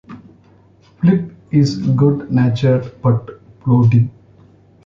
Philip is good-natured but plodding.